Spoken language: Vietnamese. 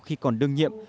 khi còn đương nhiệm